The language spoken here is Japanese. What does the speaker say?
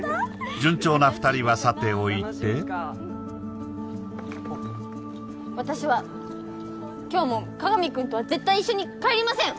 順調な２人はさておいてあっ私は今日も各務君とは絶対一緒に帰りません！